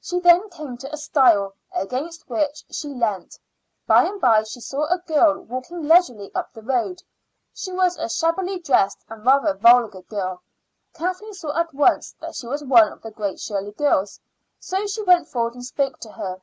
She then came to a stile, against which she leant. By and by she saw a girl walking leisurely up the road; she was a shabbily dressed and rather vulgar girl. Kathleen saw at once that she was one of the Great Shirley girls, so she went forward and spoke to her.